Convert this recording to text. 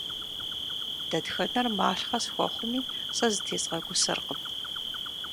Дэтхэнэр малъхъэ схуэхъуми, сэ зытезгъэгусэркъым.